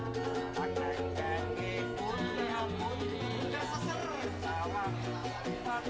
ya ampun saya seseret